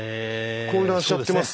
混乱しちゃってます。